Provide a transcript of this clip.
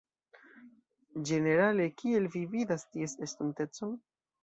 Ĝenerale kiel vi vidas ties estontecon?